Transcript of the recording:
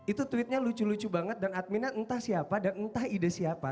itu tweetnya lucu lucu banget dan adminnya entah siapa dan entah ide siapa